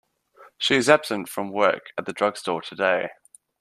She is absent from work at the drug store today.